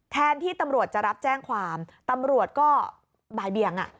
แทนที่ตำรวจจะรับแจ้งความตำรวจก็บ่ายเบียง